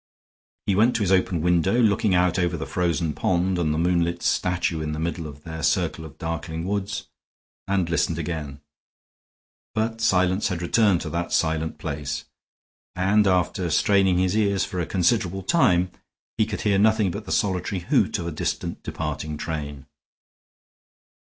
He went to his open window, looking out over the frozen pond and the moonlit statue in the middle of their circle of darkling woods, and listened again. But silence had returned to that silent place, and, after straining his ears for a considerable time, he could hear nothing but the solitary hoot of a distant departing train.